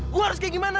gue harus kayak gimana